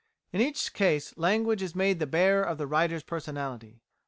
In each case language is made the bearer of the writer's personality.